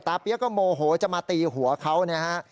เปี๊ยกก็โมโหจะมาตีหัวเขานะฮะ